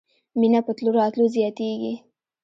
مینه په تلو راتلو زیاتیږي.